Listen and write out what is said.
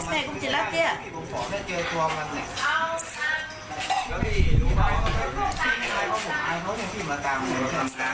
เอ้ยเข้าไปในร่าเลยมีกลางไปไปมามามา